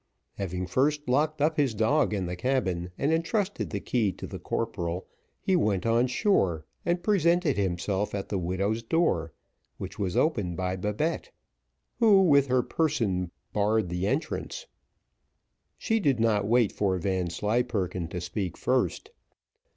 Having first locked up his dog in the cabin, and entrusted the key to the corporal, he went on shore, and presented himself at the widow's door, which was opened by Babette, who with her person barred entrance: she did not wait for Vanslyperken to speak first.